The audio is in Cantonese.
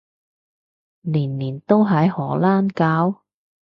年年都喺荷蘭搞？